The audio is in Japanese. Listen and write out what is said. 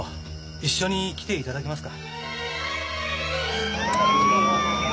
一緒に来ていただけますか？